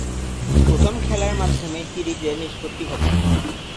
প্রথম খেলার মাধ্যমেই সিরিজের নিষ্পত্তি ঘটে।